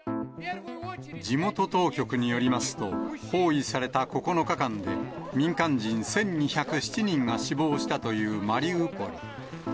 地元当局によりますと、包囲された９日間で、民間人１２０７人が死亡したというマリウポリ。